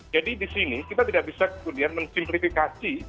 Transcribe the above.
jadi di sini kita tidak bisa kemudian mensimplifikasi